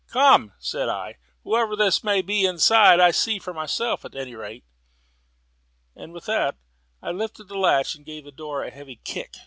"Come," said I, "whoever this may be inside, I'll see for myself at any rate," and with that I lifted the latch and gave the door a heavy kick.